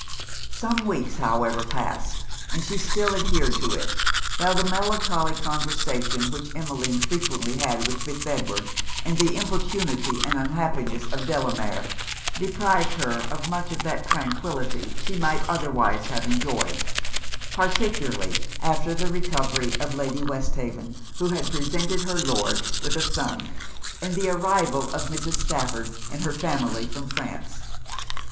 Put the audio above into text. Some weeks, however, passed, and she still adhered to it; while the melancholy conversation which Emmeline frequently had with Fitz Edward, and the importunity and unhappiness of Delamere, deprived her of much of that tranquillity she might otherwise have enjoyed; particularly after the recovery of Lady Westhaven (who presented her Lord with a son), and the arrival of Mrs. Stafford and her family from France.